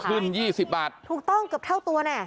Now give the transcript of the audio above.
ขึ้น๒๐บาทถูกต้องเกือบเท่าตัวแน่